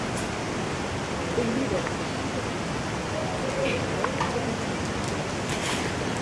Ik wie wer op bekend terrein, ik hie wer fêstegrûn ûnder de fuotten.